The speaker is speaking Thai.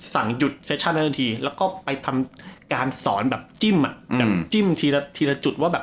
สั่งหยุดแล้วก็ไปทำการสอนแบบอืมแบบทีละทีละจุดว่าแบบ